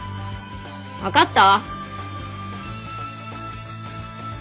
分かった？